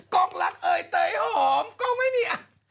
ก้องรักเอ๋ยเต๋อหอมก้องไม่มีอัศ